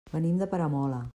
Venim de Peramola.